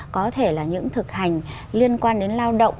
có thể là những thực hành liên quan đến lao động